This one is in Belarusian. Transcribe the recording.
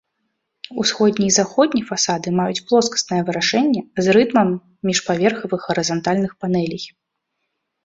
Усходні і заходні фасады маюць плоскаснае вырашэнне з рытмам міжпаверхавых гарызантальных панэлей.